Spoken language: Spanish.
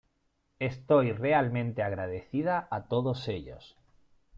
Estoy realmente agradecida a todos ellos.